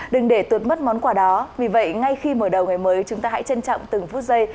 đừng để tuột mất món quà đó vì vậy ngay khi mở đầu ngày mới chúng ta hãy trân trọng từng phút giây